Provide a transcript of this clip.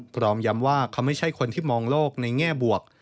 พร้อมย้ำว่าเขาไม่ใช่คนที่มองโลกในแง่บวก